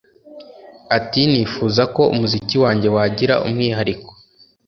Ati “Nifuza ko umuziki wanjye wagira umwihariko